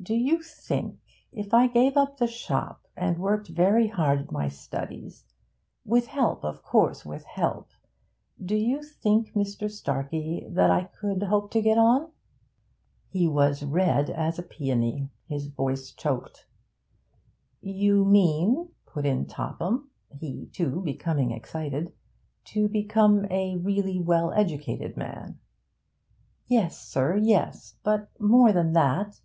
Do you think, if I gave up the shop and worked very hard at my studies with help, of course, with help, do you think, Mr. Starkey, that I could hope to get on?' He was red as a peony; his voice choked. 'You mean,' put in Topham, he, too, becoming excited, 'to become a really well educated man?' 'Yes, sir, yes. But more than that.